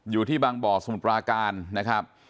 อยู่ที่บางบ่อสมุทรปราการนะครับ